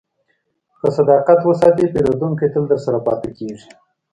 که صداقت وساتې، پیرودونکی تل درسره پاتې کېږي.